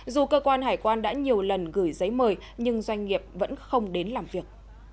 dù cơ quan hải quan đã nhiều lần gửi giấy mời nhưng doanh nghiệp vẫn không đến làm việc